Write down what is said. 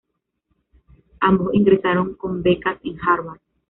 Ambos ingresaron, con becas en Harvard.